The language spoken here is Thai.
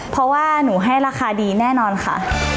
เพราะว่าหนูให้ราคาดีแน่นอนค่ะ